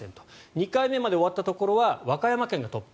２回目まで終わったところは和歌山県がトップ。